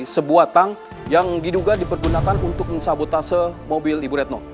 sebuah tang yang diduga dipergunakan untuk mensabotase mobil ibu retno